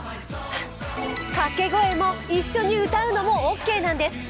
掛け声も、一緒に歌うのもオーケーなんです。